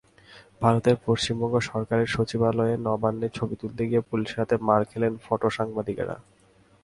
ভারতের পশ্চিমবঙ্গ সরকারের সচিবালয় নবান্নে ছবি তুলতে গিয়ে পুলিশের হাতে মার খেলেন ফটোসাংবাদিকেরা।